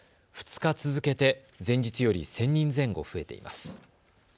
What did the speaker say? ２日続けて前日より１０００人前後増えています。